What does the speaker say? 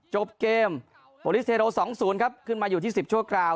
จบเกมโปรลิสเทโร๒๐ครับขึ้นมาอยู่ที่๑๐ชั่วคราว